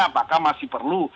apakah masih perlu